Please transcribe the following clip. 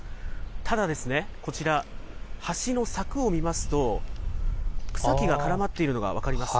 ただ、こちら、橋の柵を見ますと、草木が絡まっているのが分かります。